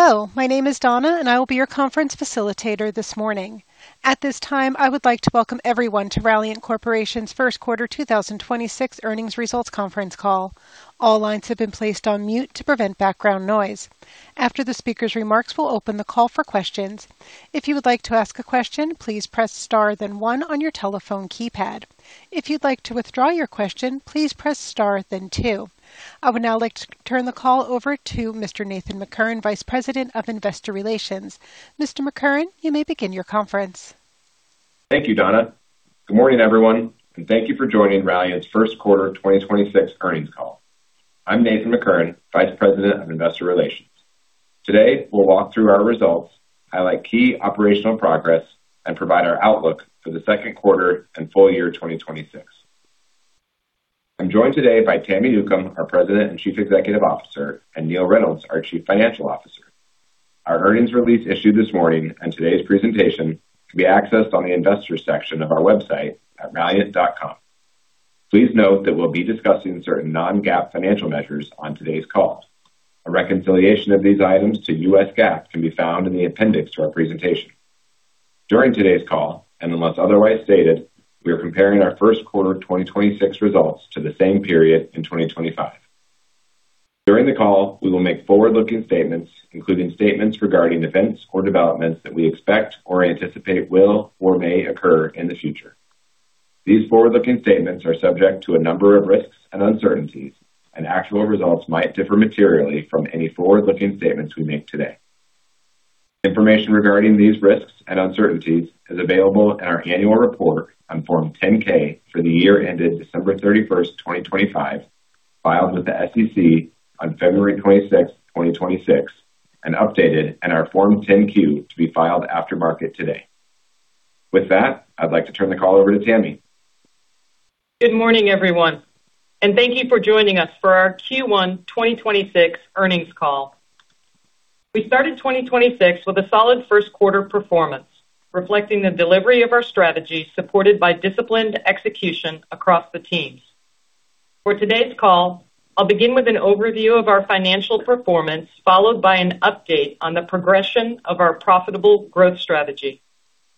Hello. My name is Donna, and I will be your conference facilitator this morning. At this time, I would like to welcome everyone to Ralliant Corporation's first quarter 2026 earnings results conference call. All lines have been placed on mute to prevent background noise. After the speaker's remarks, we'll open the call for questions. I would now like to turn the call over to Mr. Nathan McCurren, Vice President of Investor Relations. Mr. McCurren, you may begin your conference. Thank you, Donna. Good morning, everyone, and thank you for joining Ralliant's first quarter 2026 earnings call. I'm Nathan McCurren, Vice President of Investor Relations. Today, we'll walk through our results, highlight key operational progress, and provide our outlook for the second quarter and full year 2026. I'm joined today by Tami Newcombe, our President and Chief Executive Officer, and Neill Reynolds, our Chief Financial Officer. Our earnings release issued this morning and today's presentation can be accessed on the investor section of our website at ralliant.com. Please note that we'll be discussing certain non-GAAP financial measures on today's call. A reconciliation of these items to US GAAP can be found in the appendix to our presentation. During today's call, and unless otherwise stated, we are comparing our first quarter 2026 results to the same period in 2025. During the call, we will make forward-looking statements, including statements regarding events or developments that we expect or anticipate will or may occur in the future. These forward-looking statements are subject to a number of risks and uncertainties, and actual results might differ materially from any forward-looking statements we make today. Information regarding these risks and uncertainties is available in our annual report on Form 10-K for the year ended December 31st, 2025, filed with the SEC on February 26th, 2026, and updated in our Form 10-Q to be filed after market today. With that, I'd like to turn the call over to Tami. Good morning, everyone, and thank you for joining us for our Q1 2026 earnings call. We started 2026 with a solid first quarter performance, reflecting the delivery of our strategy supported by disciplined execution across the teams. For today's call, I'll begin with an overview of our financial performance, followed by an update on the progression of our profitable growth strategy.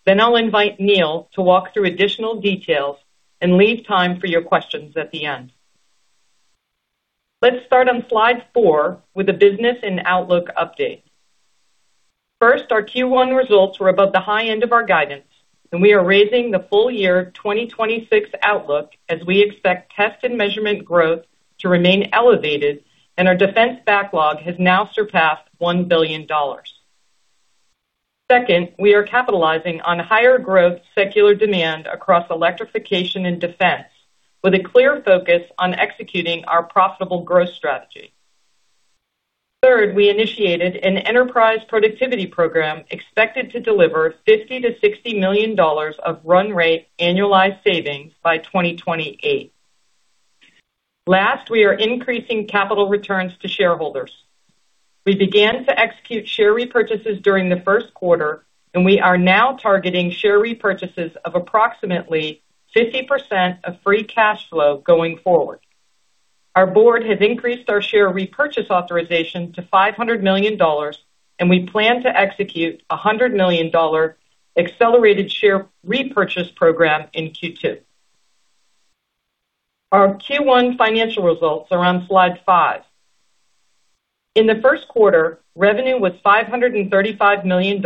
I'll invite Neill to walk through additional details and leave time for your questions at the end. Let's start on slide four with the business and outlook update. First, our Q1 results were above the high end of our guidance, and we are raising the full year 2026 outlook as we expect Test & Measurement growth to remain elevated and our defense backlog has now surpassed $1 billion. Second, we are capitalizing on higher growth secular demand across electrification and defense with a clear focus on executing our profitable growth strategy. Third, we initiated an Enterprise Productivity Program expected to deliver $50 million-$60 million of run rate annualized savings by 2028. Last, we are increasing capital returns to shareholders. We began to execute share repurchases during the first quarter, and we are now targeting share repurchases of approximately 50% of free cash flow going forward. Our board has increased our share repurchase authorization to $500 million, and we plan to execute a $100 million accelerated share repurchase program in Q2. Our Q1 financial results are on slide five. In the first quarter, revenue was $535 million,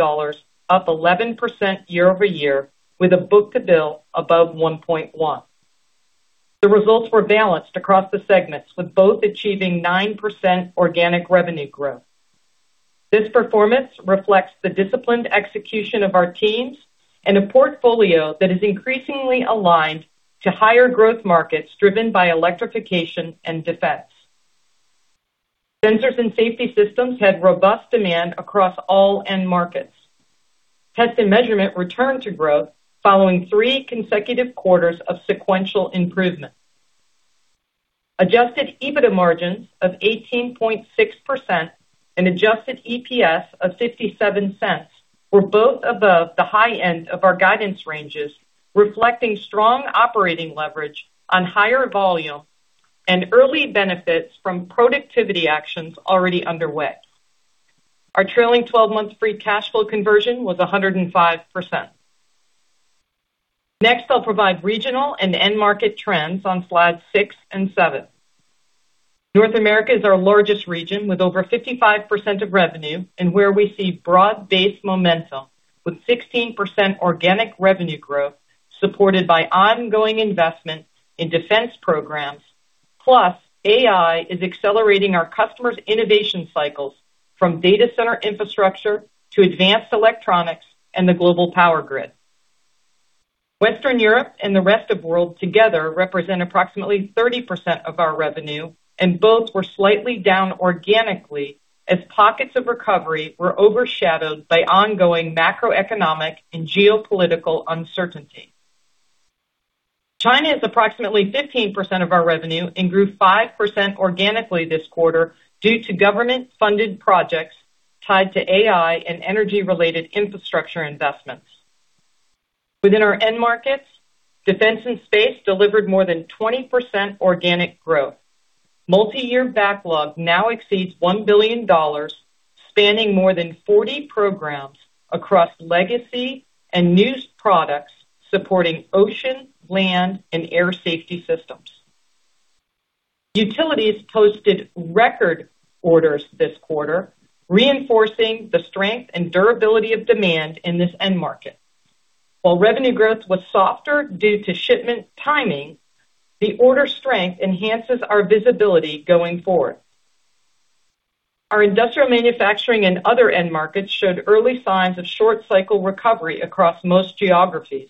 up 11% year-over-year, with a book-to-bill above 1.1. The results were balanced across the segments, with both achieving 9% organic revenue growth. This performance reflects the disciplined execution of our teams and a portfolio that is increasingly aligned to higher growth markets driven by electrification and defense. Sensors & Safety Systems had robust demand across all end markets. Test & Measurement returned to growth following three consecutive quarters of sequential improvement. adjusted EBITDA margins of 18.6% and adjusted EPS of $0.57 were both above the high end of our guidance ranges, reflecting strong operating leverage on higher volume and early benefits from productivity actions already underway. Our trailing twelve-month free cash flow conversion was 105%. Next, I'll provide regional and end market trends on slides six and seven. North America is our largest region with over 55% of revenue and where we see broad-based momentum with 16% organic revenue growth supported by ongoing investment in defense programs. AI is accelerating our customers' innovation cycles from data center infrastructure to advanced electronics and the global power grid. Western Europe and the rest of world together represent approximately 30% of our revenue, both were slightly down organically as pockets of recovery were overshadowed by ongoing macroeconomic and geopolitical uncertainty. China is approximately 15% of our revenue and grew 5% organically this quarter due to government-funded projects tied to AI and energy-related infrastructure investments. Within our end markets, Defense & Space delivered more than 20% organic growth. Multi-year backlog now exceeds $1 billion, spanning more than 40 programs across legacy and new products supporting ocean, land, and air safety systems. Utilities posted record orders this quarter, reinforcing the strength and durability of demand in this end market. While revenue growth was softer due to shipment timing, the order strength enhances our visibility going forward. Our industrial manufacturing and other end markets showed early signs of short cycle recovery across most geographies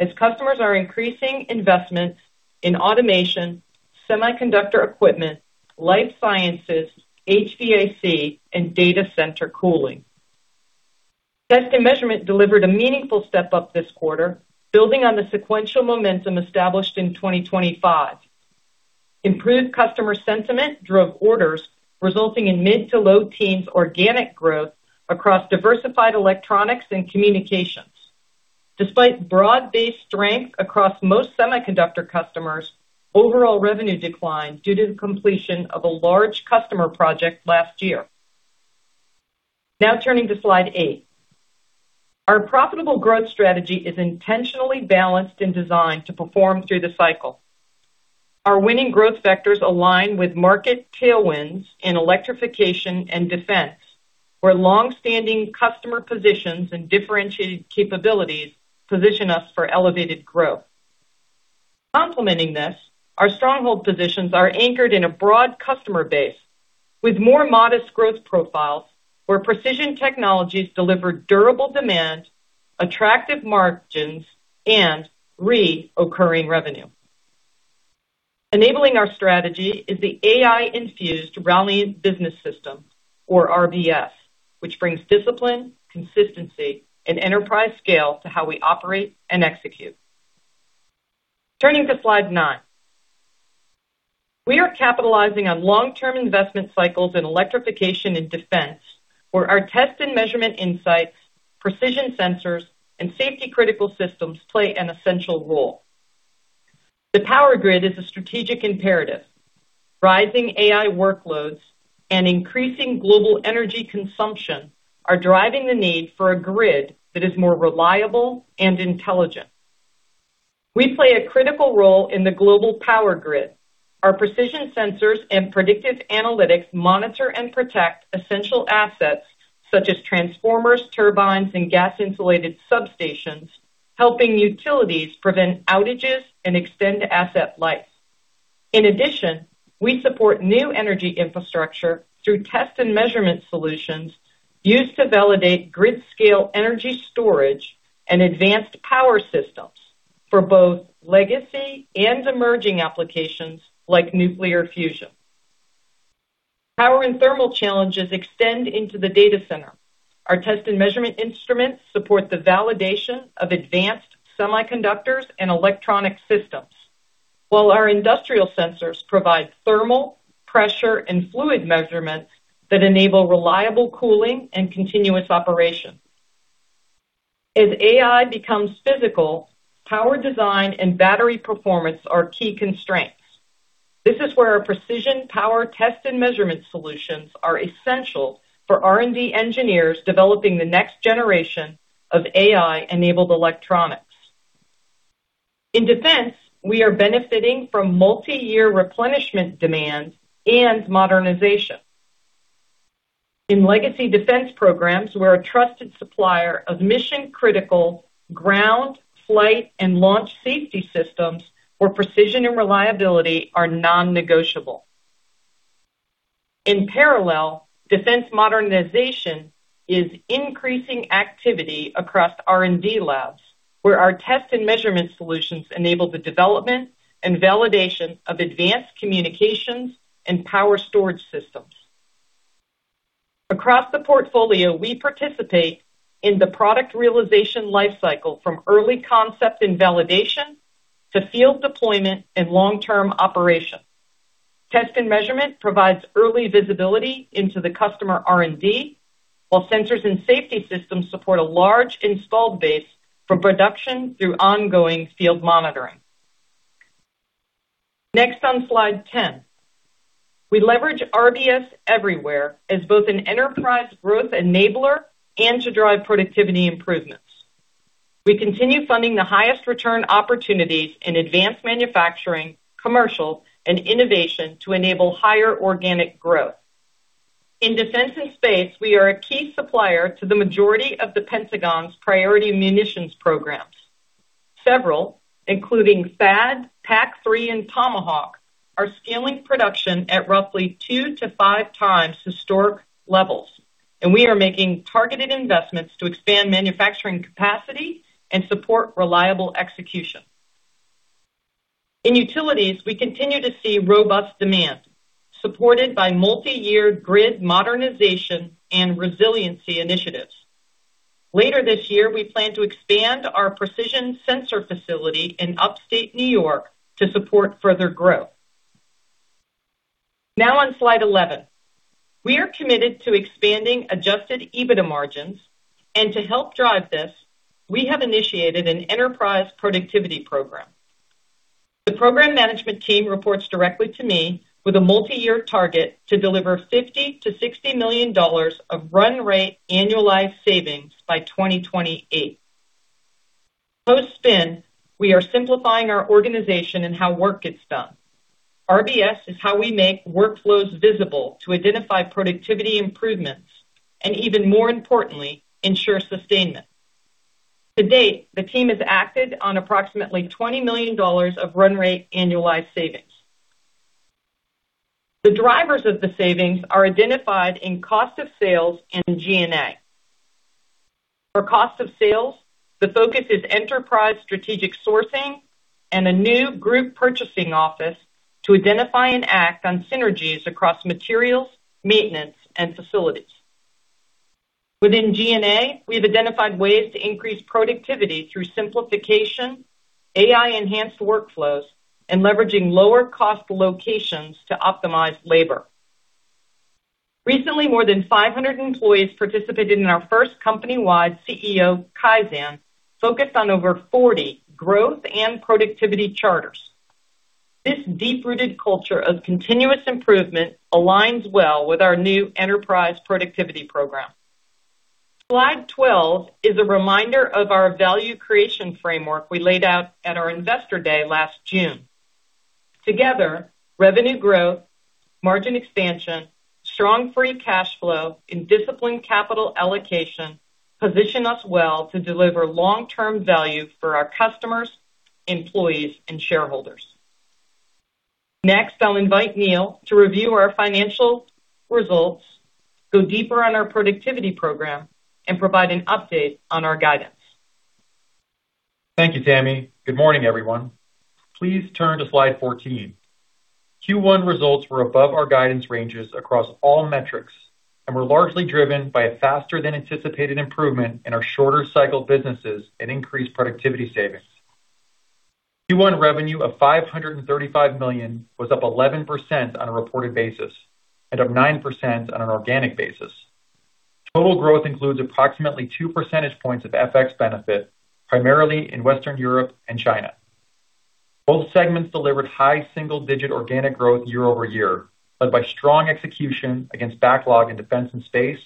as customers are increasing investment in automation, semiconductor equipment, life sciences, HVAC, and data center cooling. Test & Measurement delivered a meaningful step-up this quarter, building on the sequential momentum established in 2025. Improved customer sentiment drove orders, resulting in mid to low teens organic growth across diversified electronics and communications. Despite broad-based strength across most semiconductor customers, overall revenue declined due to the completion of a large customer project last year. Turning to slide 8. Our profitable growth strategy is intentionally balanced and designed to perform through the cycle. Our winning growth vectors align with market tailwinds in electrification and defense, where long-standing customer positions and differentiated capabilities position us for elevated growth. Complementing this, our stronghold positions are anchored in a broad customer base with more modest growth profiles where precision technologies deliver durable demand, attractive margins, and reoccurring revenue. Enabling our strategy is the AI-infused Ralliant Business System, or RBS, which brings discipline, consistency, and enterprise scale to how we operate and execute. Turning to slide nine. We are capitalizing on long-term investment cycles in electrification and defense, where our Test & Measurement insights, precision sensors, and safety-critical systems play an essential role. The power grid is a strategic imperative. Rising AI workloads and increasing global energy consumption are driving the need for a grid that is more reliable and intelligent. We play a critical role in the global power grid. Our precision sensors and predictive analytics monitor and protect essential assets such as transformers, turbines, and gas-insulated substations, helping utilities prevent outages and extend asset life. We support new energy infrastructure through Test & Measurement solutions used to validate grid-scale energy storage and advanced power systems for both legacy and emerging applications like nuclear fusion. Power and thermal challenges extend into the data center. Our Test & Measurement instruments support the validation of advanced semiconductors and electronic systems, while our industrial sensors provide thermal, pressure, and fluid measurements that enable reliable cooling and continuous operation. As AI becomes physical, power design and battery performance are key constraints. This is where our precision power Test & Measurement solutions are essential for R&D engineers developing the next generation of AI-enabled electronics. In defense, we are benefiting from multi-year replenishment demand and modernization. In legacy defense programs, we're a trusted supplier of mission-critical ground, flight, and launch safety systems where precision and reliability are non-negotiable. In parallel, defense modernization is increasing activity across R&D labs, where our Test & Measurement solutions enable the development and validation of advanced communications and power storage systems. Across the portfolio, we participate in the product realization life cycle from early concept and validation to field deployment and long-term operation. Test & Measurement provides early visibility into the customer R&D, while Sensors & Safety Systems support a large installed base from production through ongoing field monitoring. Next on slide 10. We leverage RBS everywhere as both an enterprise growth enabler and to drive productivity improvements. We continue funding the highest return opportunities in advanced manufacturing, commercial, and innovation to enable higher organic growth. In defense and space, we are a key supplier to the majority of the Pentagon's priority munitions programs. Several, including THAAD, PAC-3, and Tomahawk, are scaling production at roughly two to five times historic levels, and we are making targeted investments to expand manufacturing capacity and support reliable execution. In utilities, we continue to see robust demand supported by multi-year grid modernization and resiliency initiatives. Later this year, we plan to expand our precision sensor facility in Upstate N.Y. to support further growth. Now on slide 11. We are committed to expanding adjusted EBITDA margins. To help drive this, we have initiated an Enterprise Productivity Program. The program management team reports directly to me with a multi-year target to deliver $50 million-$60 million of run rate annualized savings by 2028. Post-spin, we are simplifying our organization and how work gets done. RBS is how we make workflows visible to identify productivity improvements, and even more importantly, ensure sustainment. To date, the team has acted on approximately $20 million of run rate annualized savings. The drivers of the savings are identified in cost of sales and G&A. For cost of sales, the focus is enterprise strategic sourcing and a new group purchasing office to identify and act on synergies across materials, maintenance, and facilities. Within G&A, we have identified ways to increase productivity through simplification, AI-enhanced workflows, and leveraging lower cost locations to optimize labor. Recently, more than 500 employees participated in our first company-wide CEO Kaizen, focused on over 40 growth and productivity charters. This deep-rooted culture of continuous improvement aligns well with our new Enterprise Productivity Program. Slide 12 is a reminder of our value creation framework we laid out at our Investor Day last June. Together, revenue growth, margin expansion, strong free cash flow, and disciplined capital allocation position us well to deliver long-term value for our customers, employees, and shareholders. Next, I'll invite Neill to review our financial results, go deeper on our productivity program, and provide an update on our guidance. Thank you, Tami. Good morning, everyone. Please turn to slide 14. Q1 results were above our guidance ranges across all metrics and were largely driven by a faster than anticipated improvement in our shorter cycle businesses and increased productivity savings. Q1 revenue of $535 million was up 11% on a reported basis and up 9% on an organic basis. Total growth includes approximately 2 percentage points of FX benefit, primarily in Western Europe and China. Both segments delivered high single-digit organic growth year-over-year, led by strong execution against backlog in defense and space,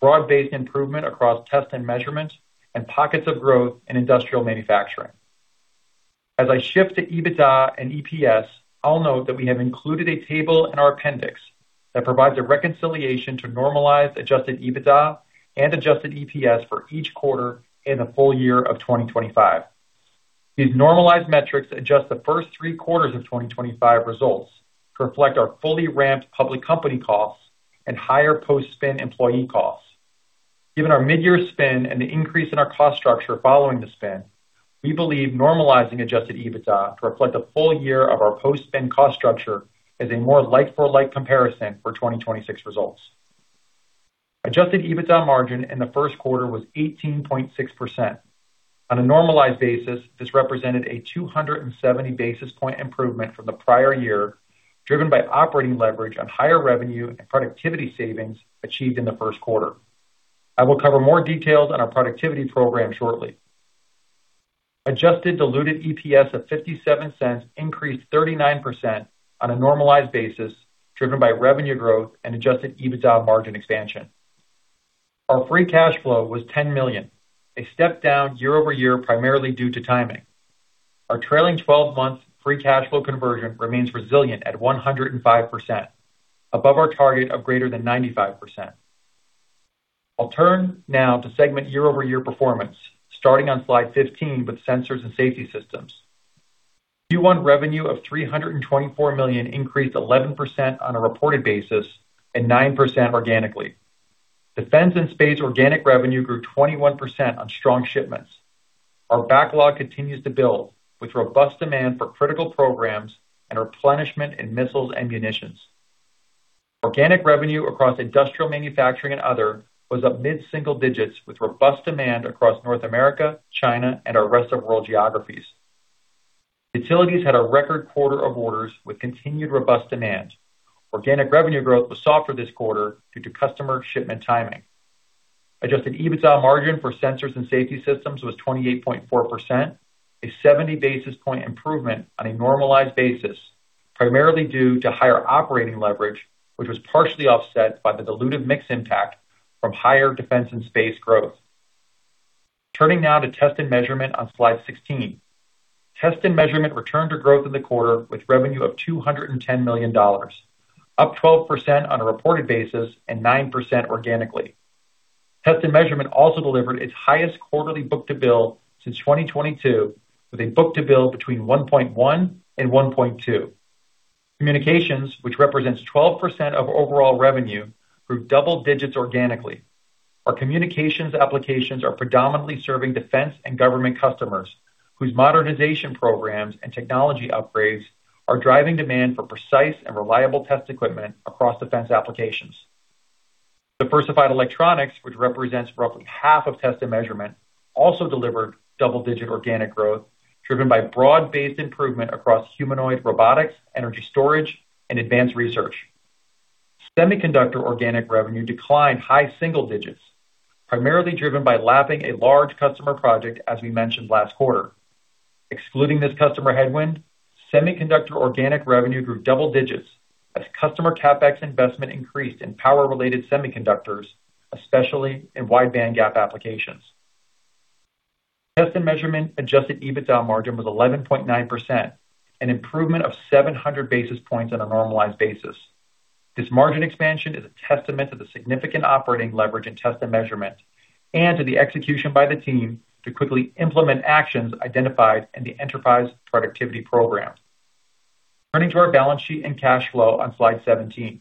broad-based improvement across Test & Measurement, and pockets of growth in industrial manufacturing. As I shift to EBITDA and EPS, I'll note that we have included a table in our appendix that provides a reconciliation to normalize adjusted EBITDA and adjusted EPS for each quarter in the full year of 2025. These normalized metrics adjust the first THREE quarters of 2025 results to reflect our fully ramped public company costs and higher post-spin employee costs. Given our midyear spin and the increase in our cost structure following the spin, we believe normalizing adjusted EBITDA to reflect the full year of our post-spin cost structure is a more like-for-like comparison for 2026 results. Adjusted EBITDA margin in the first quarter was 18.6%. On a normalized basis, this represented a 270 basis point improvement from the prior year, driven by operating leverage on higher revenue and productivity savings achieved in the first quarter. I will cover more details on our productivity program shortly. Adjusted diluted EPS of $0.57 increased 39% on a normalized basis, driven by revenue growth and adjusted EBITDA margin expansion. Our free cash flow was $10 million, a step down year-over-year, primarily due to timing. Our trailing 12-month free cash flow conversion remains resilient at 105%, above our target of greater than 95%. I'll turn now to segment year-over-year performance, starting on slide 15 with Sensors & Safety Systems. Q1 revenue of $324 million increased 11% on a reported basis and 9% organically. Defense and space organic revenue grew 21% on strong shipments. Our backlog continues to build with robust demand for critical programs and replenishment in missiles and munitions. Organic revenue across industrial manufacturing and other was up mid-single digits with robust demand across North America, China, and our rest of world geographies. Utilities had a record quarter of orders with continued robust demand. Organic revenue growth was softer this quarter due to customer shipment timing. Adjusted EBITDA margin for Sensors & Safety Systems was 28.4%, a 70 basis point improvement on a normalized basis, primarily due to higher operating leverage, which was partially offset by the dilutive mix impact from higher defense and space growth. Turning now to Test & Measurement on slide 16. Test & Measurement returned to growth in the quarter with revenue of $210 million, up 12% on a reported basis and 9% organically. Test & Measurement also delivered its highest quarterly book-to-bill since 2022, with a book-to-bill between 1.1 and 1.2. Communications, which represents 12% of overall revenue, grew double digits organically. Our communications applications are predominantly serving defense and government customers whose modernization programs and technology upgrades are driving demand for precise and reliable test equipment across defense applications. Diversified electronics, which represents roughly half of Test & Measurement, also delivered double-digit organic growth, driven by broad-based improvement across humanoid robotics, energy storage, and advanced research. Semiconductor organic revenue declined high single digits, primarily driven by lapping a large customer project as we mentioned last quarter. Excluding this customer headwind, semiconductor organic revenue grew double digits as customer CapEx investment increased in power-related semiconductors, especially in wide bandgap applications. Test & Measurement adjusted EBITDA margin was 11.9%, an improvement of 700 basis points on a normalized basis. This margin expansion is a testament to the significant operating leverage in Test & Measurement and to the execution by the team to quickly implement actions identified in the Enterprise Productivity Program. Turning to our balance sheet and cash flow on slide 17.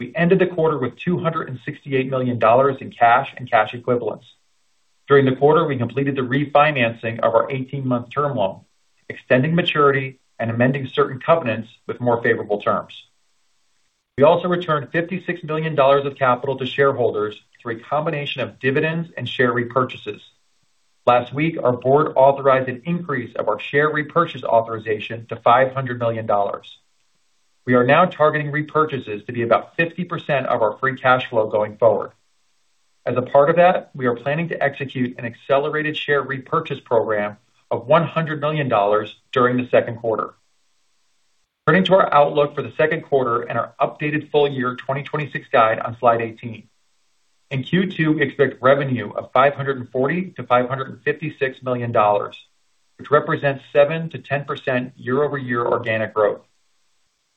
We ended the quarter with $268 million in cash and cash equivalents. During the quarter, we completed the refinancing of our 18-month term loan, extending maturity and amending certain covenants with more favorable terms. We also returned $56 million of capital to shareholders through a combination of dividends and share repurchases. Last week, our board authorized an increase of our share repurchase authorization to $500 million. We are now targeting repurchases to be about 50% of our free cash flow going forward. As a part of that, we are planning to execute an accelerated share repurchase program of $100 million during the second quarter. Turning to our outlook for the second quarter and our updated full-year 2026 guide on slide 18. In Q2, we expect revenue of $540 million-$556 million, which represents 7%-10% year-over-year organic growth.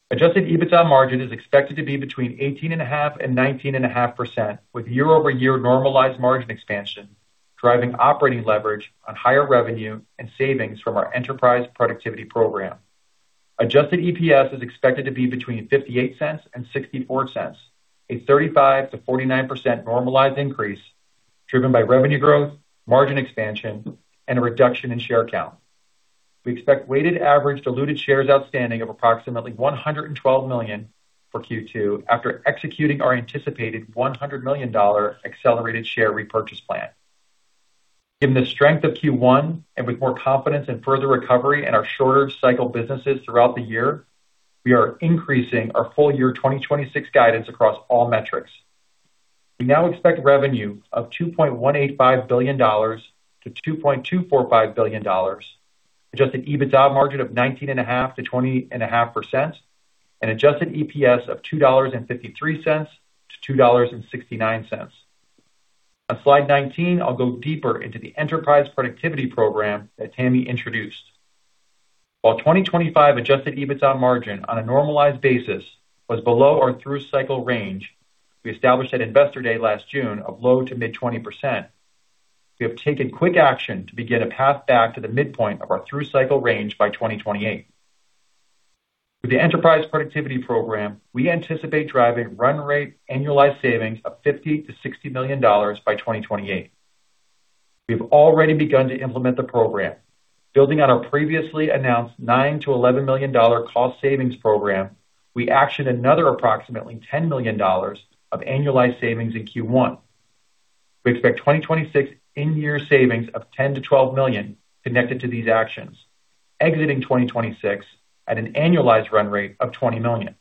Adjusted EBITDA margin is expected to be between 18.5% and 19.5% with year-over-year normalized margin expansion, driving operating leverage on higher revenue and savings from our Enterprise Productivity Program. Adjusted EPS is expected to be between $0.58 and $0.64, a 35%-49% normalized increase driven by revenue growth, margin expansion, and a reduction in share count. We expect weighted average diluted shares outstanding of approximately 112 million for Q2 after executing our anticipated $100 million accelerated share repurchase plan. Given the strength of Q1 and with more confidence in further recovery in our shorter cycle businesses throughout the year, we are increasing our full-year 2026 guidance across all metrics. We now expect revenue of $2.185 billion-$2.245 billion, adjusted EBITDA margin of 19.5%-20.5%, and adjusted EPS of $2.53-$2.69. On slide 19, I'll go deeper into the Enterprise Productivity Program that Tami introduced. While 2025 adjusted EBITDA margin on a normalized basis was below our through cycle range, we established at Investor Day last June of low to mid 20%. We have taken quick action to begin a path back to the midpoint of our through cycle range by 2028. With the Enterprise Productivity Program, we anticipate driving run rate annualized savings of $50 million-$60 million by 2028. We have already begun to implement the program. Building on our previously announced $9 million-$11 million cost savings program, we actioned another approximately $10 million of annualized savings in Q1. We expect 2026 in-year savings of $10 million-$12 million connected to these actions, exiting 2026 at an annualized run rate of $20 million.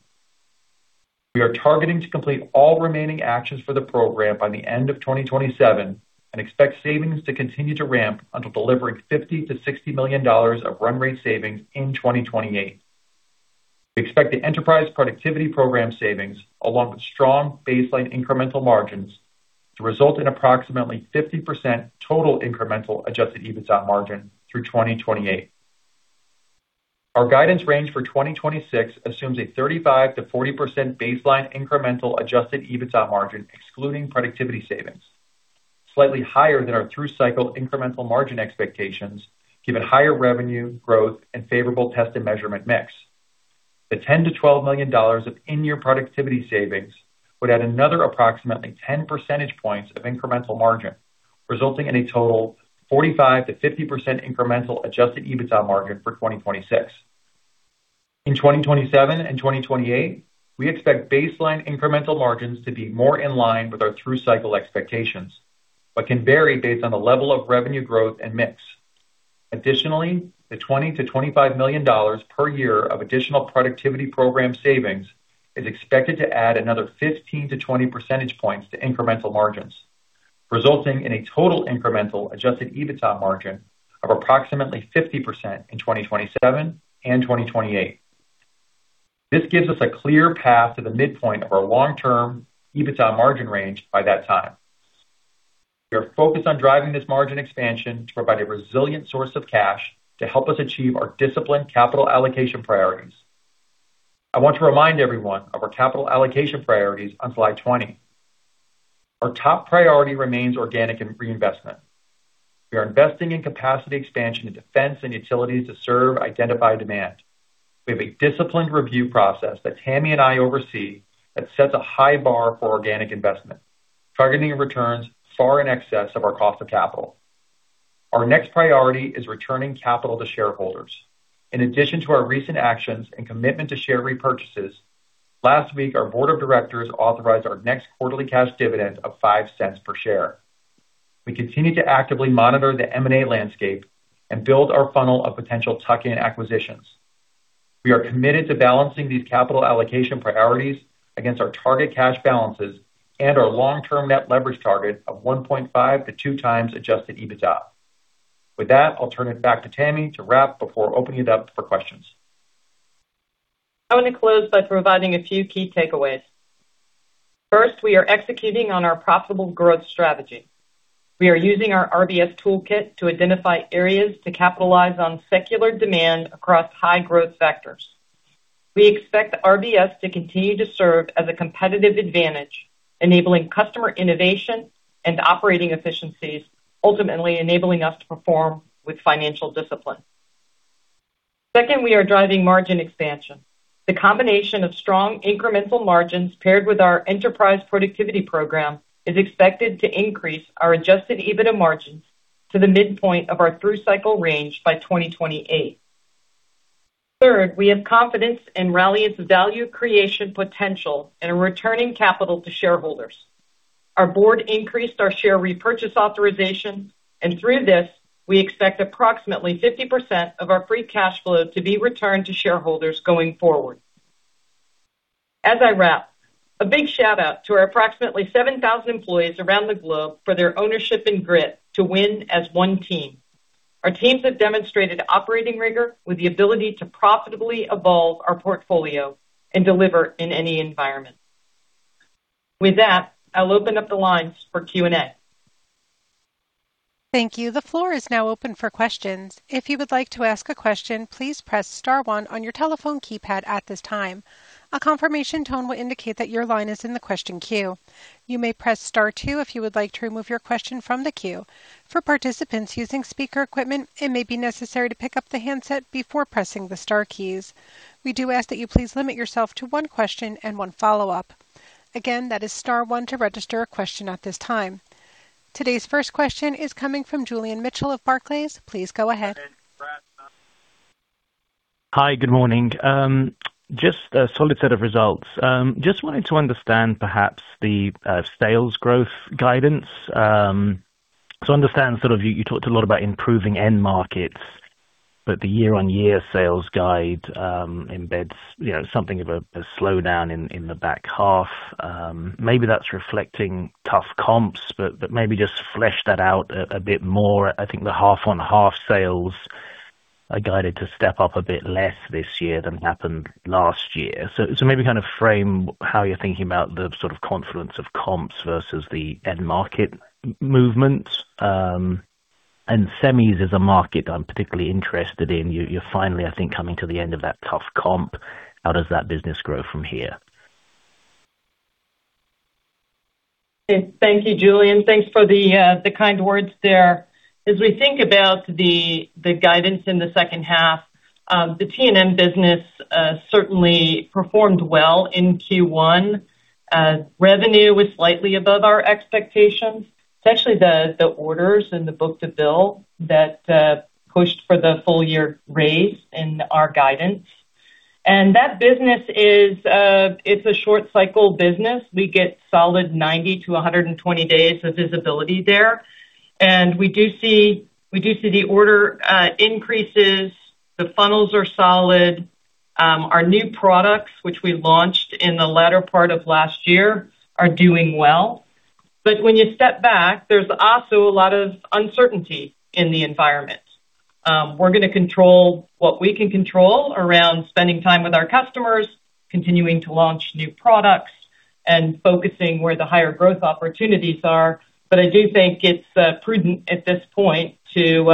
We are targeting to complete all remaining actions for the Enterprise Productivity Program by the end of 2027 and expect savings to continue to ramp until delivering $50 million-$60 million of run-rate savings in 2028. We expect the Enterprise Productivity Program savings, along with strong baseline incremental margins, to result in approximately 50% total incremental adjusted EBITDA margin through 2028. Our guidance range for 2026 assumes a 35%-40% baseline incremental adjusted EBITDA margin excluding productivity savings, slightly higher than our through-cycle incremental margin expectations given higher revenue growth and favorable Test & Measurement mix. The $10 million-$12 million of in-year productivity savings would add another approximately 10 percentage points of incremental margin, resulting in a total 45%-50% incremental adjusted EBITDA margin for 2026. In 2027 and 2028, we expect baseline incremental margins to be more in line with our through cycle expectations, but can vary based on the level of revenue growth and mix. Additionally, the $20 million-$25 million per year of additional productivity program savings is expected to add another 15-20 percentage points to incremental margins, resulting in a total incremental adjusted EBITDA margin of approximately 50% in 2027 and 2028. This gives us a clear path to the midpoint of our long-term EBITDA margin range by that time. We are focused on driving this margin expansion to provide a resilient source of cash to help us achieve our disciplined capital allocation priorities. I want to remind everyone of our capital allocation priorities on slide 20. Our top priority remains organic and reinvestment. We are investing in capacity expansion in defense and utilities to serve identified demand. We have a disciplined review process that Tami and I oversee that sets a high bar for organic investment, targeting returns far in excess of our cost of capital. Our next priority is returning capital to shareholders. In addition to our recent actions and commitment to share repurchases, last week, our board of directors authorized our next quarterly cash dividend of $0.05 per share. We continue to actively monitor the M&A landscape and build our funnel of potential tuck-in acquisitions. We are committed to balancing these capital allocation priorities against our target cash balances and our long-term net leverage target of 1.5-2x adjusted EBITDA. With that, I'll turn it back to Tami to wrap before opening it up for questions. I want to close by providing a few key takeaways. First, we are executing on our profitable growth strategy. We are using our RBS toolkit to identify areas to capitalize on secular demand across high growth sectors. We expect RBS to continue to serve as a competitive advantage, enabling customer innovation and operating efficiencies, ultimately enabling us to perform with financial discipline. Second, we are driving margin expansion. The combination of strong incremental margins paired with our Enterprise Productivity Program is expected to increase our adjusted EBITDA margins to the midpoint of our through cycle range by 2028. Third, we have confidence in Ralliant's value creation potential in returning capital to shareholders. Our board increased our share repurchase authorization, and through this, we expect approximately 50% of our free cash flow to be returned to shareholders going forward. As I wrap, a big shout out to our approximately 7,000 employees around the globe for their ownership and grit to win as one team. Our teams have demonstrated operating rigor with the ability to profitably evolve our portfolio and deliver in any environment. With that, I'll open up the lines for Q&A. Thank you. The floor is now open for questions. If you would like to ask a question, please press star one on your telephone keypad at this time. A confirmation tone will indicate that your line is in the question queue. You may press star two if you would like to remove your question from the queue. For participants using speaker equipment, it may be necessary to pick up the handset before pressing the star keys. We do ask that you please limit yourself to one question and one follow-up. Again, that is star one to register a question at this time. Today's first question is coming from Julian Mitchell of Barclays. Please go ahead. Hi, good morning. Just a solid set of results. Just wanted to understand perhaps the sales growth guidance. I understand sort of you talked a lot about improving end markets, but the year-over-year sales guide embeds, you know, something of a slowdown in the back half. Maybe that's reflecting tough comps, but maybe just flesh that out a bit more. I think the half-on-half sales are guided to step up a bit less this year than happened last year. Maybe kind of frame how you're thinking about the sort of confluence of comps versus the end market movements. Semis is a market I'm particularly interested in. You're finally, I think, coming to the end of that tough comp. How does that business grow from here? Thank you, Julian. Thanks for the kind words there. As we think about the guidance in the second half, the T&M business certainly performed well in Q1. Revenue was slightly above our expectations. It's actually the orders and the book-to-bill that pushed for the full year raise in our guidance. That business is a short cycle business. We get solid 90-120 days of visibility there. We do see the order increases. The funnels are solid. Our new products, which we launched in the latter part of last year, are doing well. When you step back, there's also a lot of uncertainty in the environment. We're gonna control what we can control around spending time with our customers, continuing to launch new products, and focusing where the higher growth opportunities are. I do think it's prudent at this point to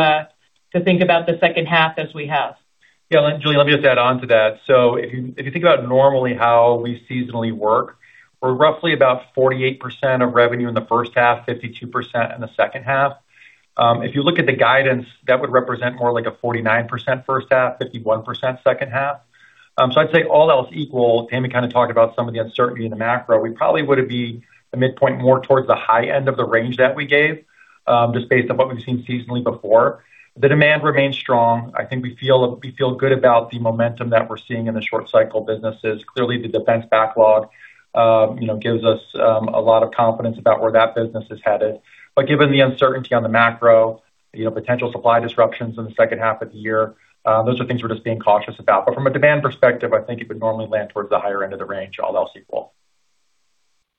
think about the second half as we have. Yeah, Julian, let me just add on to that. If you think normally how we seasonally work, we're roughly 48% of revenue in the first half, 52% in the second half. If you look at the guidance, that would represent more like a 49% first half, 51% second half. I'd say all else equal, Tami kind of talked about some of the uncertainty in the macro. We probably would be a midpoint more towards the high end of the range that we gave, just based on what we've seen seasonally before. The demand remains strong. I think we feel good about the momentum that we're seeing in the short cycle businesses. Clearly, the defense backlog, you know, gives us a lot of confidence about where that business is headed. Given the uncertainty on the macro, you know, potential supply disruptions in the second half of the year, those are things we're just being cautious about. From a demand perspective, I think you could normally land towards the higher end of the range, all else equal.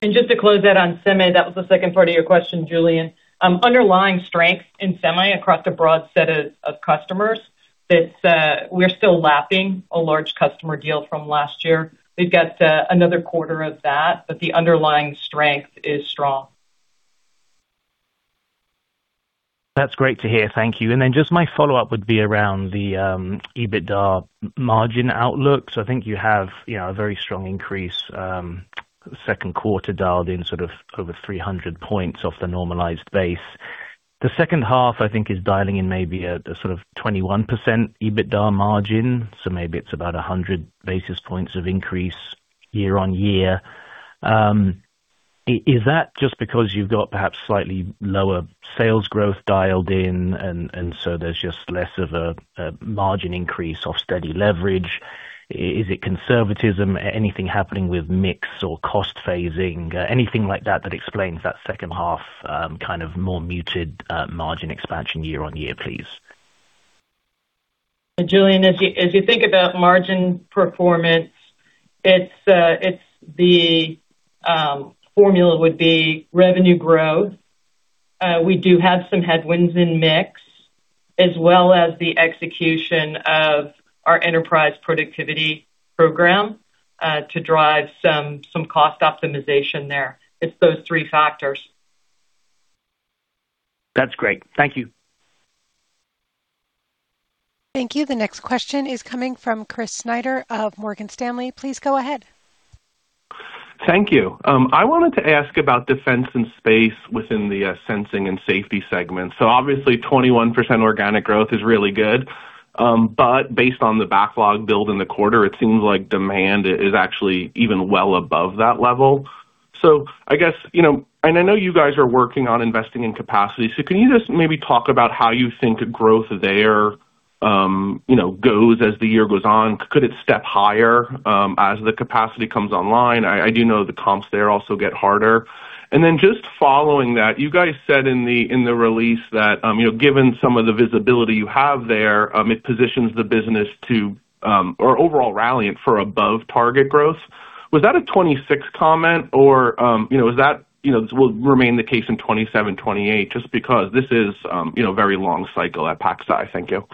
Just to close that on semi, that was the second part of your question, Julian. Underlying strength in semi across a broad set of customers that we're still lapping a large customer deal from last year. We've got another quarter of that, but the underlying strength is strong. That's great to hear. Thank you. Just my follow-up would be around the EBITDA margin outlook. I think you have, you know, a very strong increase, second quarter dialed in sort of over 300 points off the normalized base. The second half, I think, is dialing in maybe a sort of 21% EBITDA margin. Maybe it's about 100 basis points of increase year-on-year. Is that just because you've got perhaps slightly lower sales growth dialed in and so there's just less of a margin increase of steady leverage? Is it conservatism? Anything happening with mix or cost phasing? Anything like that that explains that second half kind of more muted margin expansion year-on-year, please? Julian, as you think about margin performance, it's the formula would be revenue growth. We do have some headwinds in mix as well as the execution of our Enterprise Productivity Program to drive some cost optimization there. It's those three factors. That's great. Thank you. Thank you. The next question is coming from Chris Snyder of Morgan Stanley. Please go ahead. Thank you. I wanted to ask about Defense & Space within Sensors & Safety Systems segment. Obviously, 21% organic growth is really good. But based on the backlog build in the quarter, it seems like demand is actually even well above that level. I guess, you know, and I know you guys are working on investing in capacity. Can you just maybe talk about how you think growth there, you know, goes as the year goes on? Could it step higher, as the capacity comes online? I do know the comps there also get harder. Then just following that, you guys said in the, in the release that, you know, given some of the visibility you have there, it positions the business to, or overall Ralliant for above target growth. Was that a 2026 comment or, you know, is that, you know, will remain the case in 2027, 2028, just because this is, you know, very long cycle at PacSci? Thank you.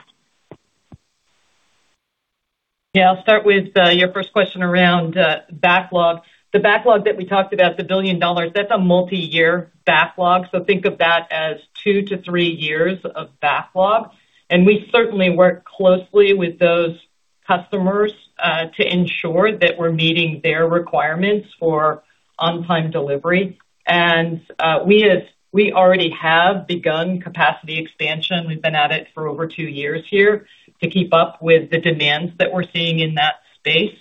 I'll start with your first question around backlog. The backlog that we talked about, the $1 billion, that's a multiyear backlog. Think of that as two to three years of backlog. We certainly work closely with those customers to ensure that we're meeting their requirements for on-time delivery. We already have begun capacity expansion. We've been at it for over two years here to keep up with the demands that we're seeing in that space.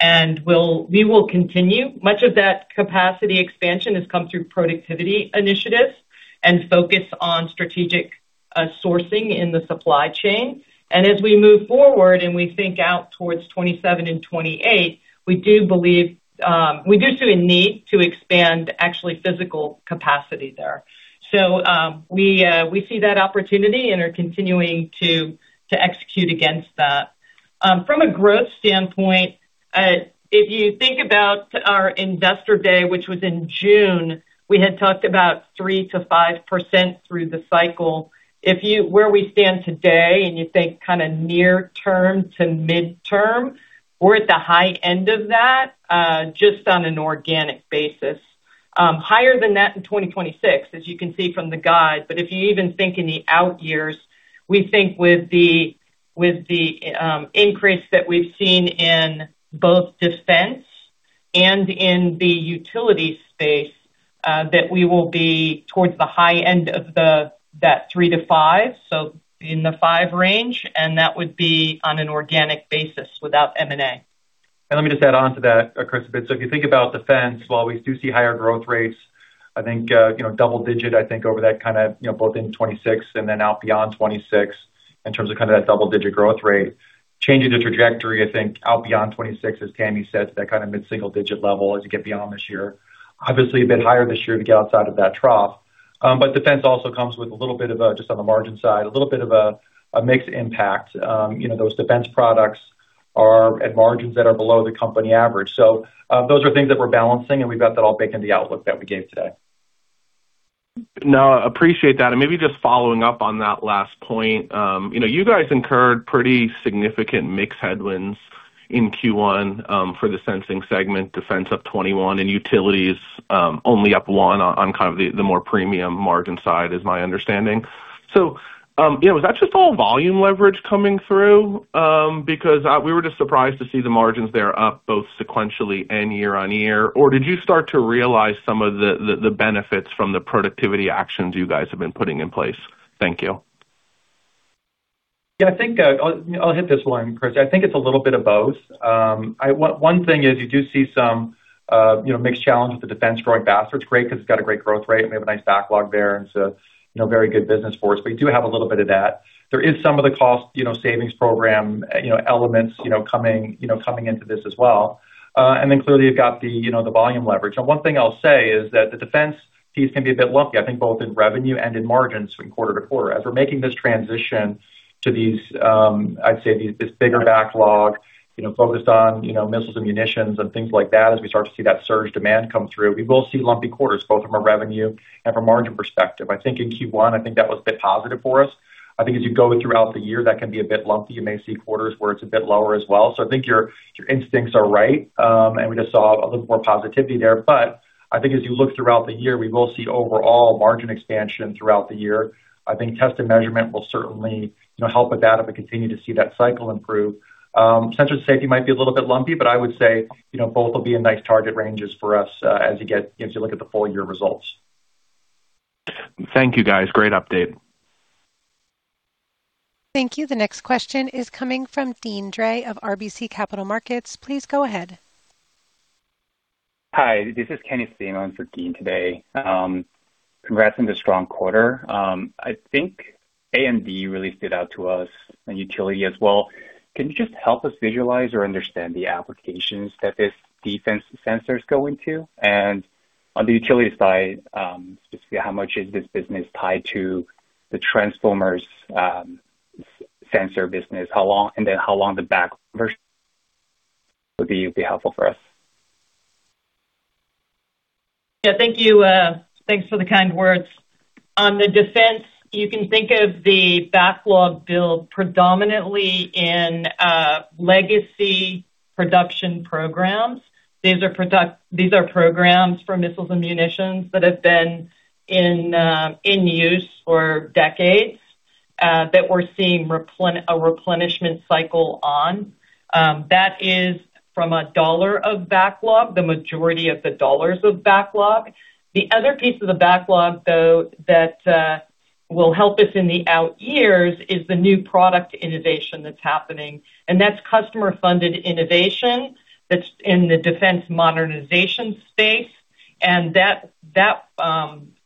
We will continue. Much of that capacity expansion has come through productivity initiatives and focus on strategic sourcing in the supply chain. As we move forward, and we think out towards 2027 and 2028, we do believe we do see a need to expand actually physical capacity there. We see that opportunity and are continuing to execute against that. From a growth standpoint, if you think about our Investor Day, which was in June, we had talked about 3%-5% through the cycle. Where we stand today, and you think kind of near term to midterm, we're at the high end of that just on an organic basis. Higher than that in 2026, as you can see from the guide. If you even think in the out years, we think with the increase that we've seen in both defense and in the utility space, that we will be towards the high end of that 3%-5%, so in the 5% range, and that would be on an organic basis without M&A. Let me just add on to that, Chris, a bit. If you think about defense, while we do see higher growth rates, I think, you know, double-digit, I think over that kind of, you know, both in 2026 and then out beyond 2026 in terms of kind of that double-digit growth rate. Change in the trajectory, I think out beyond 2026, as Tami says, that kind of mid-single-digit level as you get beyond this year. Obviously a bit higher this year to get outside of that trough. Defense also comes with a little bit of a, just on the margin side, a little bit of a mixed impact. You know, those defense products are at margins that are below the company average. Those are things that we're balancing, and we've got that all baked in the outlook that we gave today. No, appreciate that. Maybe just following up on that last point. You know, you guys incurred pretty significant mix headwinds in Q1 for the sensing segment, defense up 21% and utilities only up 1% on kind of the more premium margin side is my understanding. Yeah, was that just all volume leverage coming through? Because we were just surprised to see the margins there up both sequentially and year-over-year. Or did you start to realize some of the benefits from the productivity actions you guys have been putting in place? Thank you. Yeah, I think, I'll hit this one, Chris. I think it's a little bit of both. One thing is you do see some, you know, mixed challenge with the defense growing faster. It's great because it's got a great growth rate, and we have a nice backlog there, and it's a, you know, very good business for us. You do have a little bit of that. There is some of the cost, you know, savings program, you know, elements, you know, coming into this as well. Clearly, you've got the, you know, the volume leverage. One thing I'll say is that the defense piece can be a bit lumpy, I think both in revenue and in margins from quarter to quarter. As we're making this transition to this bigger backlog, you know, focused on, you know, missiles and munitions and things like that, as we start to see that surge demand come through, we will see lumpy quarters, both from a revenue and from margin perspective. I think in Q1, I think that was a bit positive for us. I think as you go throughout the year, that can be a bit lumpy. You may see quarters where it's a bit lower as well. I think your instincts are right. We just saw a little more positivity there. I think as you look throughout the year, we will see overall margin expansion throughout the year. I think Test & Measurement will certainly, you know, help with that if we continue to see that cycle improve. Sensors and Safety might be a little bit lumpy, but I would say, you know, both will be in nice target ranges for us, as you look at the full-year results. Thank you, guys. Great update. Thank you. The next question is coming from Deane Dray of RBC Capital Markets. Please go ahead. Hi, this is Kenny Sim on for Deane today. Congrats on the strong quarter. I think A and B really stood out to us, and utility as well. Can you just help us visualize or understand the applications that this defense sensors go into? On the utility side, just how much is this business tied to the transformers sensor business? How long the backlog version would be helpful for us. Yeah, thank you. Thanks for the kind words. On the defense, you can think of the backlog build predominantly in legacy production programs. These are programs for missiles and munitions that have been in use for decades that we're seeing a replenishment cycle on. That is from a dollar of backlog, the majority of the dollars of backlog. The other piece of the backlog, though, that will help us in the out years is the new product innovation that's happening, and that's customer-funded innovation that's in the defense modernization space. That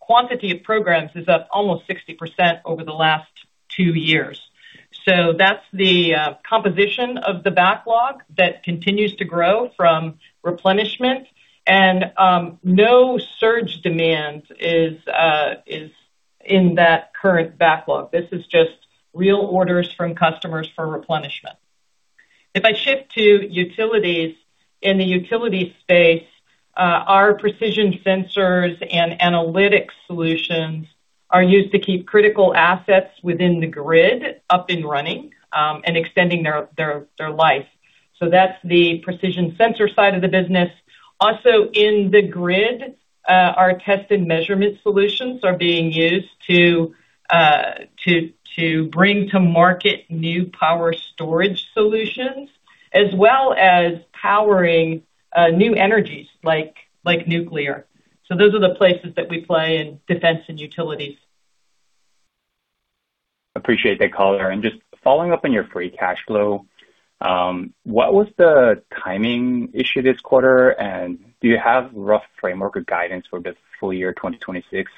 quantity of programs is up almost 60% over the last two years. That's the composition of the backlog that continues to grow from replenishment. No surge demand is in that current backlog. This is just real orders from customers for replenishment. I shift to utilities. In the utility space, our precision sensors and analytics solutions are used to keep critical assets within the grid up and running, and extending their life. That's the precision sensor side of the business. Also, in the grid, our Test & Measurement solutions are being used to bring to market new power storage solutions, as well as powering new energies like nuclear. Those are the places that we play in defense and utilities. Appreciate that color. Just following up on your free cash flow, what was the timing issue this quarter? Do you have rough framework or guidance for the full year 2026,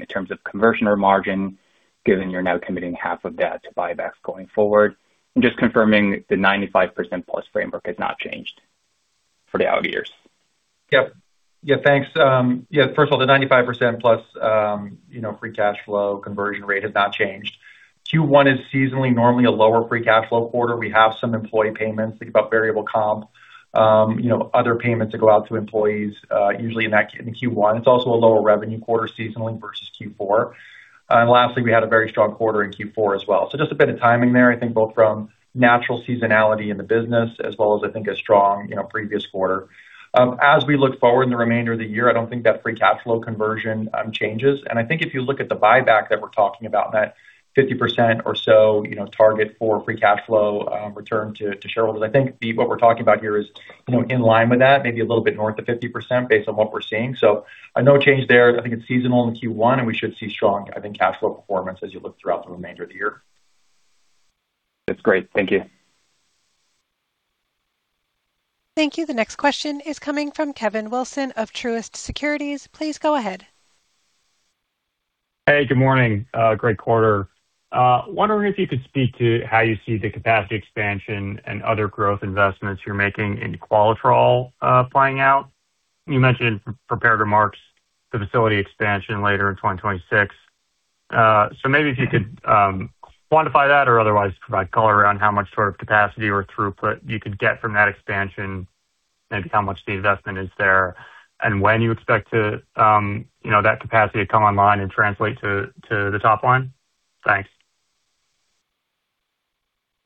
in terms of conversion or margin, given you're now committing half of that to buybacks going forward? Just confirming the 95%+ framework has not changed for the out years. Yeah. Yeah. Thanks. Yeah, first of all, the 95% plus free cash flow conversion rate has not changed. Q1 is seasonally normally a lower free cash flow quarter. We have some employee payments, think about variable comp, other payments that go out to employees, usually in that in Q1. It's also a lower revenue quarter seasonally versus Q4. Lastly, we had a very strong quarter in Q4 as well. Just a bit of timing there, I think both from natural seasonality in the business as well as I think a strong previous quarter. As we look forward in the remainder of the year, I don't think that free cash flow conversion changes. I think if you look at the buyback that we're talking about, that 50% or so, you know, target for free cash flow, return to shareholders, what we're talking about here is, you know, in line with that, maybe a little bit north of 50% based on what we're seeing. No change there. I think it's seasonal in Q1, and we should see strong, I think, cash flow performance as you look throughout the remainder of the year. That's great. Thank you. Thank you. The next question is coming from Kevin Wilson of Truist Securities. Please go ahead. Hey, good morning. Great quarter. Wondering if you could speak to how you see the capacity expansion and other growth investments you're making in Qualitrol playing out. You mentioned in prepared remarks the facility expansion later in 2026. Maybe if you could quantify that or otherwise provide color around how much sort of capacity or throughput you could get from that expansion, maybe how much the investment is there, and when you expect to, you know, that capacity to come online and translate to the top line. Thanks.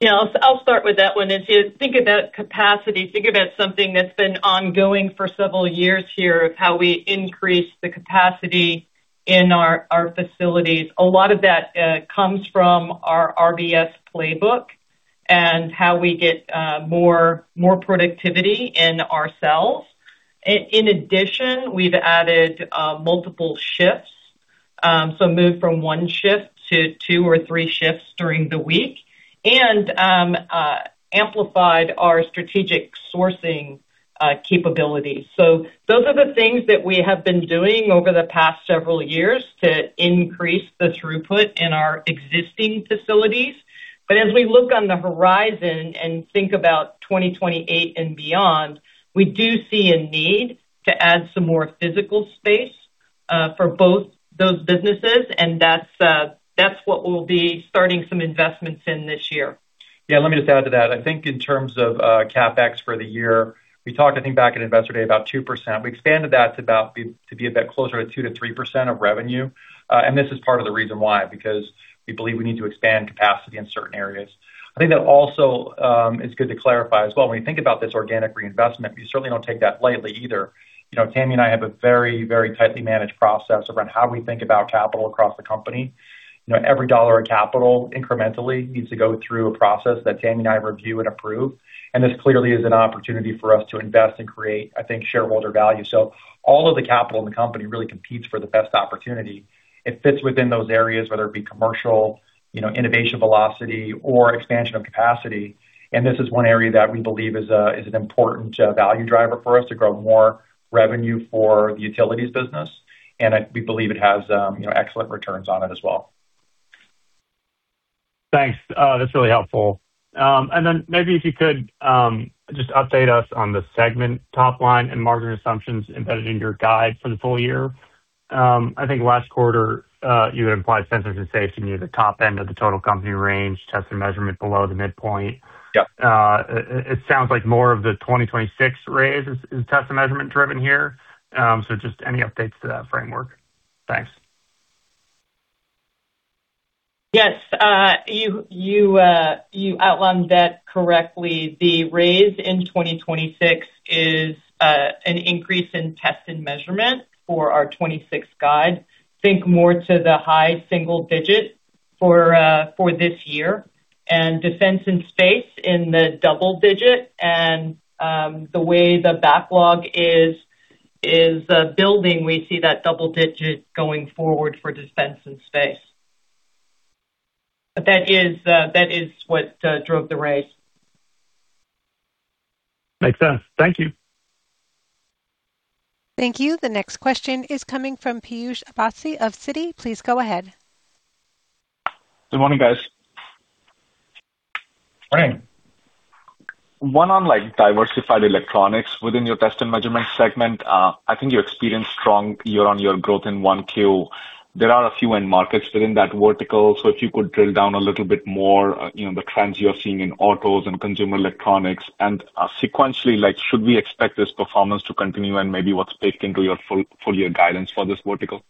Yeah, I'll start with that one. As you think about capacity, think about something that's been ongoing for several years here of how we increase the capacity in our facilities. A lot of that comes from our RBS playbook and how we get more productivity in ourselves. In addition, we've added multiple shifts, so moved from one shift to two or three shifts during the week, and amplified our strategic sourcing capabilities. Those are the things that we have been doing over the past several years to increase the throughput in our existing facilities. As we look on the horizon and think about 2028 and beyond, we do see a need to add some more physical space for both those businesses, and that's what we'll be starting some investments in this year. Yeah, let me just add to that. I think in terms of CapEx for the year, we talked, I think, back at Investor Day about 2%. We expanded that to be a bit closer to 2%-3% of revenue. This is part of the reason why, because we believe we need to expand capacity in certain areas. I think that also, it's good to clarify as well, when you think about this organic reinvestment, we certainly don't take that lightly either. You know, Tami and I have a very tightly managed process around how we think about capital across the company. You know, every dollar of capital incrementally needs to go through a process that Tami and I review and approve. This clearly is an opportunity for us to invest and create, I think, shareholder value. All of the capital in the company really competes for the best opportunity. It fits within those areas, whether it be commercial, you know, innovation velocity, or expansion of capacity. This is one area that we believe is an important value driver for us to grow more revenue for the utilities business. We believe it has, you know, excellent returns on it as well. Thanks. That's really helpful. Maybe if you could just update us on the segment top line and margin assumptions embedded in your guide for the full year. Last quarter, you had implied Sensors and Safety near the top end of the total company range, Test & Measurement below the midpoint. Yep. It sounds like more of the 2026 raise is Test & Measurement driven here. Just any updates to that framework? Thanks. Yes. You outlined that correctly. The raise in 2026 is an increase in Test & Measurement for our 2026 guide. Think more to the high single-digit for this year, and Defense & Space in the double-digit. The way the backlog is building, we see that double-digit going forward for Defense & Space. That is what drove the raise. Makes sense. Thank you. Thank you. The next question is coming from Piyush Avasthy of Citi. Please go ahead. Good morning, guys. Morning. One on, like, diversified electronics within your Test & Measurement segment. I think you experienced strong year-on-year growth in 1Q. There are a few end markets within that vertical, if you could drill down a little bit more, you know, the trends you are seeing in autos and consumer electronics. Sequentially, like, should we expect this performance to continue and maybe what's baked into your full-year guidance for this vertical?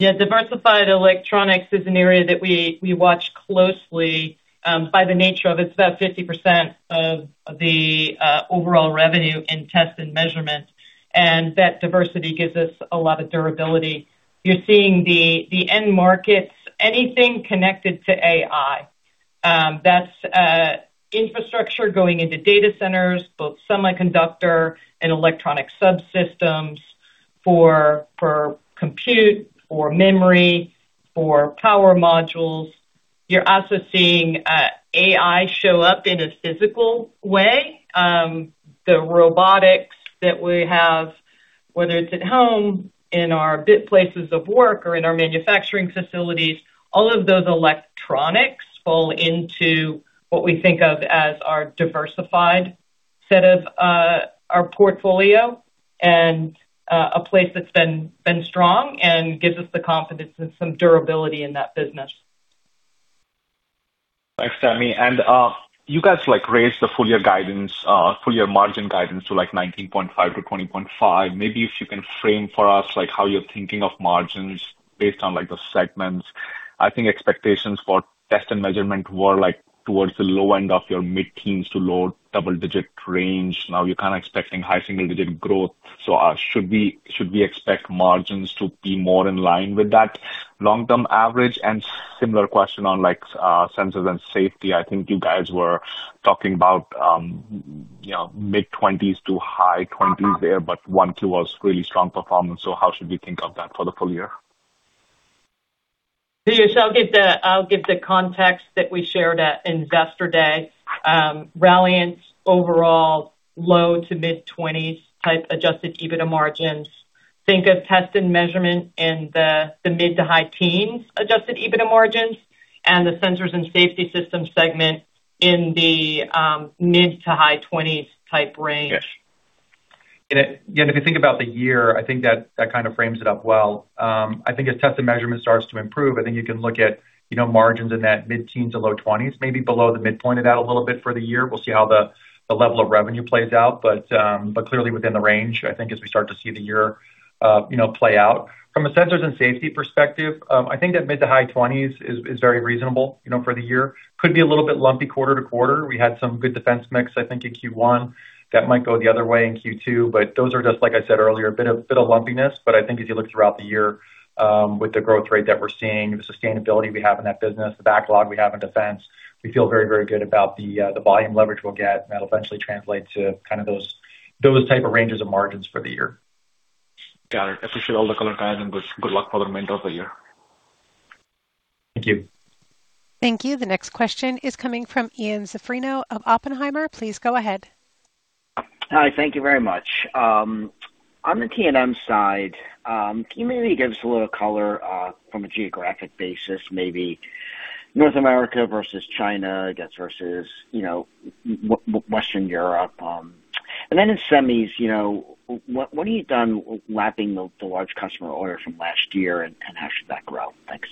Yeah, diversified electronics is an area that we watch closely. By the nature of it's about 50% of the overall revenue in Test & Measurement, and that diversity gives us a lot of durability. You're seeing the end markets, anything connected to AI, that's infrastructure going into data centers, both semiconductor and electronic subsystems for compute or memory, for power modules. You're also seeing AI show up in a physical way. The robotics that we have, whether it's at home, in our workplaces or in our manufacturing facilities, all of those electronics fall into what we think of as our diversified set of our portfolio and a place that's been strong and gives us the confidence of some durability in that business. Thanks, Tami. You guys like raised the full year guidance, full year margin guidance to like 19.5% to 20.5%. Maybe if you can frame for us like how you're thinking of margins based on like the segments. I think expectations for Test & Measurement were like towards the low end of your mid-teens to low double-digit range. Now you're kind of expecting high single-digit growth. Should we expect margins to be more in line with that long-term average? Similar question on like, Sensors and Safety. I think you guys were talking about, you know, mid-20s to high 20s there, but 1Q was really strong performance. How should we think of that for the full year? Piyush, I'll give the context that we shared at Investor Day. Ralliant overall low to mid-20s type adjusted EBITDA margins. Think of Test & Measurement in the mid- to high-teens adjusted EBITDA margins and the Sensors & Safety Systems segment in the mid- to high-20s type range. Yes. Again, if you think about the year, I think that kind of frames it up well. I think as Test & Measurement starts to improve, I think you can look at, you know, margins in that mid-teens to low 20s, maybe below the midpoint of that a little bit for the year. We'll see how the level of revenue plays out. Clearly within the range, I think as we start to see the year, you know, play out. From a Sensors and Safety perspective, I think that mid to high 20s is very reasonable, you know, for the year. Could be a little bit lumpy quarter to quarter. We had some good defense mix, I think, in Q1. That might go the other way in Q2. Those are just, like I said earlier, a bit of lumpiness. I think as you look throughout the year, with the growth rate that we're seeing, the sustainability we have in that business, the backlog we have in defense, we feel very good about the volume leverage we'll get, and that'll eventually translate to kind of those type of ranges of margins for the year. Got it. Appreciate all the color, guys, and good luck for the remainder of the year. Thank you. Thank you. The next question is coming from Ian Zaffino of Oppenheimer. Please go ahead. Hi, thank you very much. On the T&M side, can you maybe give us a little color from a geographic basis, maybe North America versus China, I guess versus, you know, Western Europe? In semis, you know, what have you done lapping the large customer orders from last year, and how should that grow? Thanks.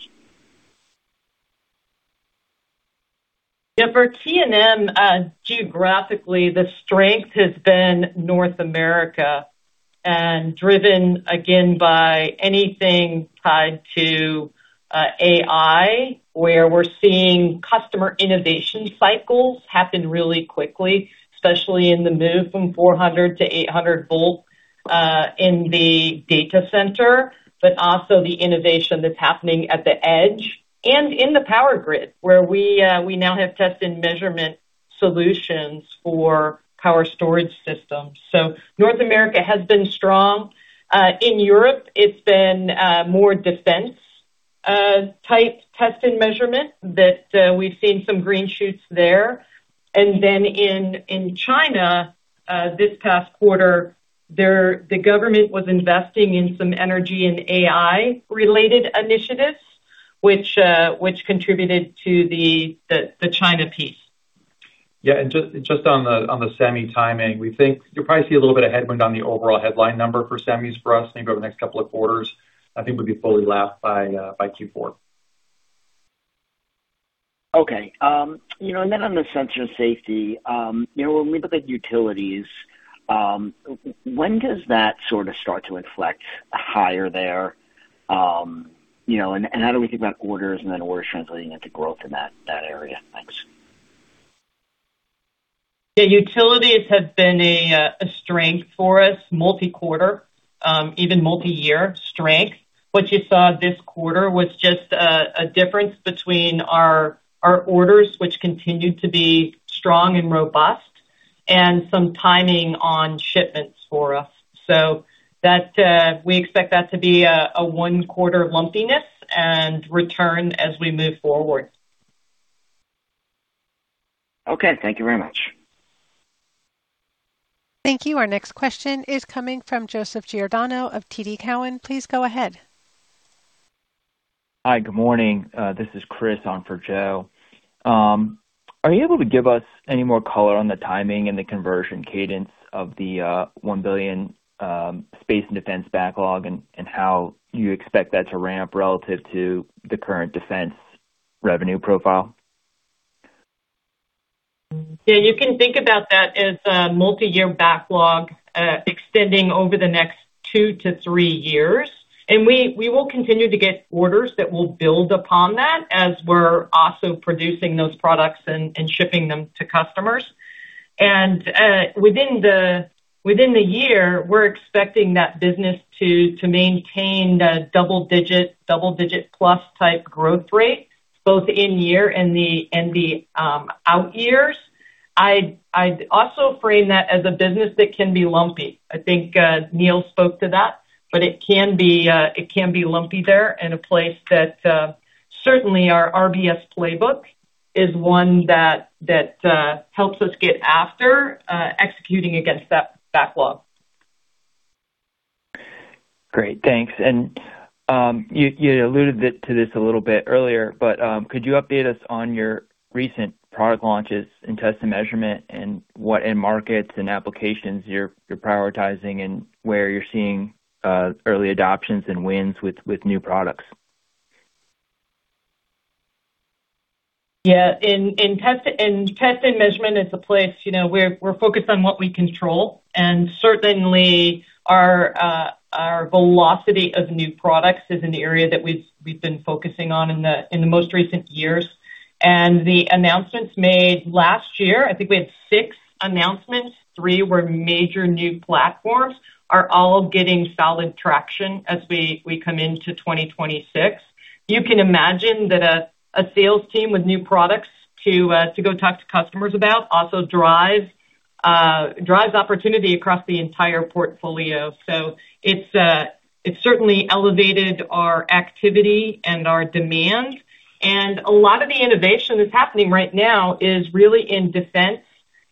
For T&M, geographically, the strength has been North America and driven again by anything tied to AI, where we're seeing customer innovation cycles happen really quickly, especially in the move from 400 to 800 volt in the data center, but also the innovation that's happening at the edge and in the power grid, where we now have test and measurement solutions for power storage systems. North America has been strong. In Europe it's been more defense type test and measurement that we've seen some green shoots there. In China, this past quarter, the government was investing in some energy and AI-related initiatives, which contributed to the China piece. Yeah. Just on the semi timing, we think you'll probably see a little bit of headwind on the overall headline number for semis for us, maybe over the next couple of quarters. I think we'll be fully lapped by Q4. Okay. You know, on the Sensors & Safety Systems, you know, when we look at utilities, when does that sort of start to inflect higher there? You know, and how do we think about orders and then orders translating into growth in that area? Thanks. Yeah, utilities have been a strength for us multi-quarter, even multi-year strength. What you saw this quarter was just a difference between our orders, which continued to be strong and robust, and some timing on shipments for us. We expect that to be a one-quarter lumpiness and return as we move forward. Okay. Thank you very much. Thank you. Our next question is coming from Joseph Giordano of TD Cowen. Please go ahead. Hi. Good morning. This is Chris on for Joe. Are you able to give us any more color on the timing and the conversion cadence of the $1 billion space and defense backlog and how you expect that to ramp relative to the current defense revenue profile? Yeah, you can think about that as a multi-year backlog, extending over the next two to three years. We will continue to get orders that will build upon that as we're also producing those products and shipping them to customers. Within the year, we're expecting that business to maintain the double-digit plus type growth rate, both in year and the out years. I'd also frame that as a business that can be lumpy. I think Neill spoke to that, but it can be lumpy there, and a place that certainly our RBS playbook is one that helps us get after executing against that backlog. Great. Thanks. You alluded to this a little bit earlier, but could you update us on your recent product launches in Test & Measurement and what end markets and applications you're prioritizing and where you're seeing early adoptions and wins with new products? Yeah. In Test & Measurement, it's a place, you know, we're focused on what we control, certainly our velocity of new products is an area that we've been focusing on in the most recent years. The announcements made last year, I think we had six announcements, three were major new platforms, are all getting solid traction as we come into 2026. You can imagine that a sales team with new products to go talk to customers about also drives opportunity across the entire portfolio. It's certainly elevated our activity and our demand. A lot of the innovation that's happening right now is really in defense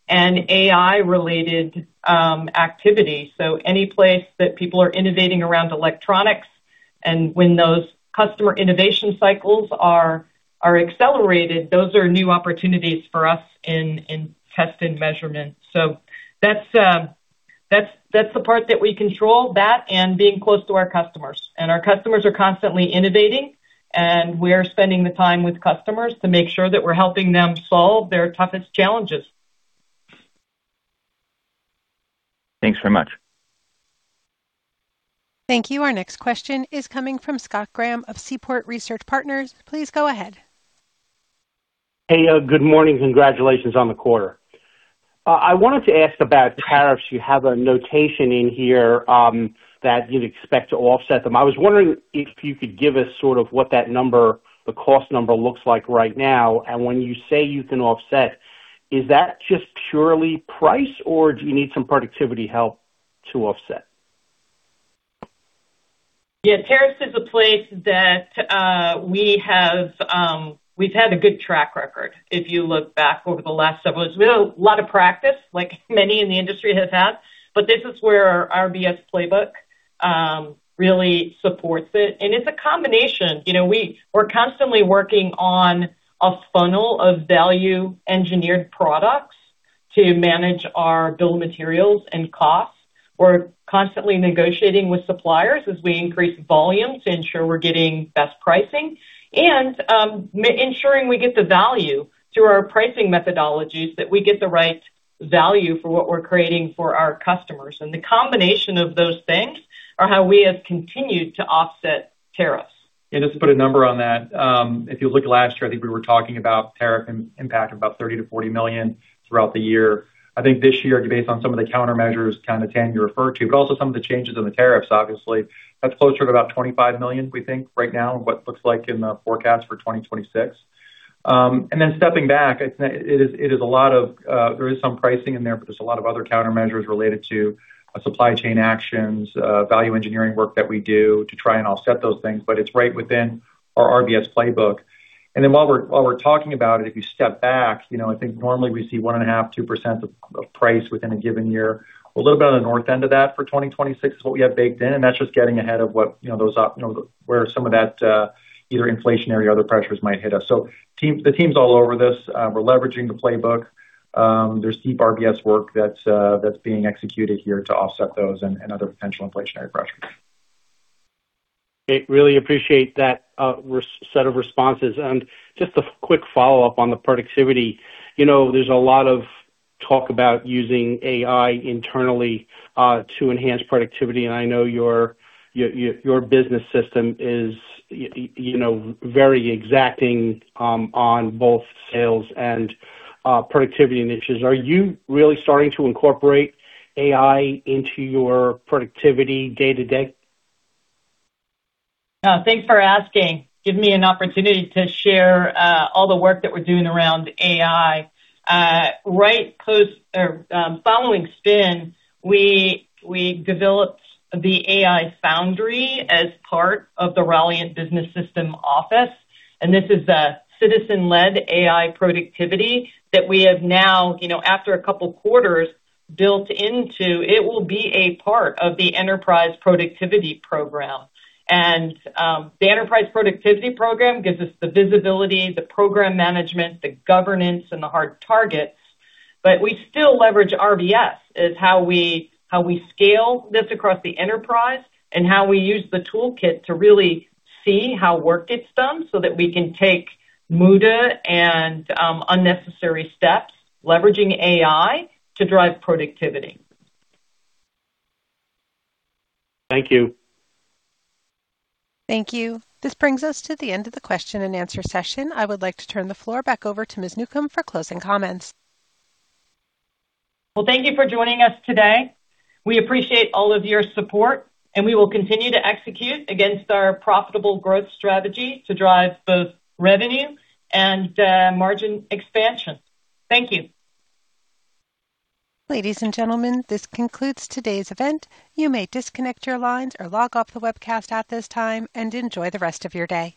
and AI-related activity. Any place that people are innovating around electronics, and when those customer innovation cycles are accelerated, those are new opportunities for us in Test & Measurement. That's the part that we control, that and being close to our customers. Our customers are constantly innovating, and we're spending the time with customers to make sure that we're helping them solve their toughest challenges. Thanks very much. Thank you. Our next question is coming from Scott Graham of Seaport Research Partners. Please go ahead. Hey, good morning. Congratulations on the quarter. I wanted to ask about tariffs. You have a notation in here that you expect to offset them. I was wondering if you could give us sort of what that number, the cost number looks like right now. When you say you can offset, is that just purely price, or do you need some productivity help to offset? Tariffs is a place that we have, we've had a good track record if you look back over the last several years. We have a lot of practice, like many in the industry has had, but this is where our RBS playbook really supports it. It's a combination. You know, we're constantly working on a funnel of value-engineered products to manage our bill of materials and costs. We're constantly negotiating with suppliers as we increase volume to ensure we're getting best pricing and ensuring we get the value through our pricing methodologies, that we get the right value for what we're creating for our customers. The combination of those things are how we have continued to offset tariffs. Yeah, just to put a number on that. If you look last year, I think we were talking about tariff impact of about $30 million-$40 million throughout the year. I think this year, based on some of the countermeasures, kind of Tami Newcombe referred to, but also some of the changes in the tariffs, obviously, that's closer to about $25 million, we think right now, what looks like in the forecast for 2026. Stepping back, it is a lot of, there is some pricing in there, but there's a lot of other countermeasures related to supply chain actions, value engineering work that we do to try and offset those things, but it's right within our RBS playbook. While we're talking about it, if you step back, you know, I think normally we see 1.5, 2% of price within a given year. A little bit on the north end of that for 2026 is what we have baked in, and that's just getting ahead of what, you know, those, you know, where some of that, either inflationary or other pressures might hit us. Team, the team's all over this. We're leveraging the playbook. There's deep RBS work that's being executed here to offset those and other potential inflationary pressures. Okay. Really appreciate that set of responses. Just a quick follow-up on the productivity. You know, there's a lot of talk about using AI internally to enhance productivity, and I know your Business System is, you know, very exacting on both sales and productivity initiatives. Are you really starting to incorporate AI into your productivity day-to-day? Thanks for asking. Give me an opportunity to share all the work that we're doing around AI. Right post or following spin, we developed the AI Foundry as part of the Ralliant Business System office, and this is a citizen-led AI productivity that we have now, you know, after a couple quarters built into, it will be a part of the Enterprise Productivity Program. The Enterprise Productivity Program gives us the visibility, the program management, the governance, and the hard targets. We still leverage RBS as how we scale this across the enterprise and how we use the toolkit to really see how work gets done so that we can take muda and unnecessary steps, leveraging AI to drive productivity. Thank you. Thank you. This brings us to the end of the question and answer session. I would like to turn the floor back over to Ms. Newcombe for closing comments. Well, thank you for joining us today. We appreciate all of your support, and we will continue to execute against our profitable growth strategy to drive both revenue and margin expansion. Thank you. Ladies and gentlemen, this concludes today's event. You may disconnect your lines or log off the webcast at this time and enjoy the rest of your day.